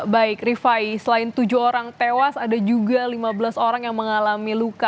baik rifai selain tujuh orang tewas ada juga lima belas orang yang mengalami luka